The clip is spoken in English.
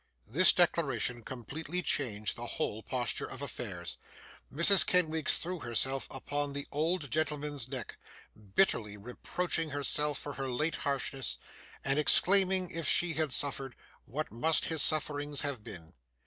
This declaration completely changed the whole posture of affairs. Mrs. Kenwigs threw herself upon the old gentleman's neck, bitterly reproaching herself for her late harshness, and exclaiming, if she had suffered, what must his sufferings have been!